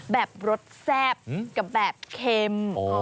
แบบรสแซ่บกับแบบเค็ม